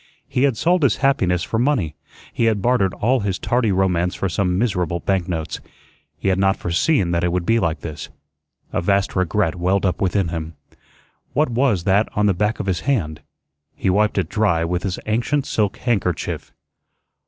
He had sold his happiness for money; he had bartered all his tardy romance for some miserable banknotes. He had not foreseen that it would be like this. A vast regret welled up within him. What was that on the back of his hand? He wiped it dry with his ancient silk handkerchief.